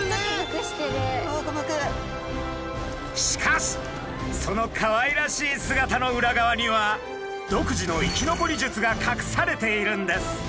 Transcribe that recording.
しかしそのかわいらしい姿の裏側には独自の生き残り術がかくされているんです！